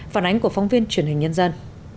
phản ánh của phóng viên truyền hình nhân dân